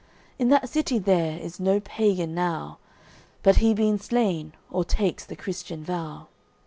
In that city there is no pagan now But he been slain, or takes the Christian vow.